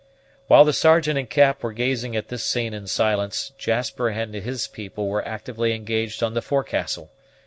While the Sergeant and Cap were gazing at this scene in silence, Jasper and his people were actively engaged on the forecastle.